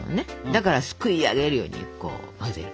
だからすくいあげるようにこう混ぜる。